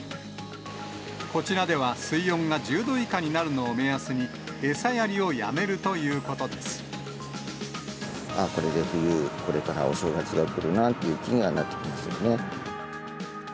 こちらでは水温が１０度以下になるのを目安に、餌やりをやめるとああ、これで冬、これからお正月が来るなという気にはなってきますよね。